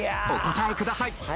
お答えください。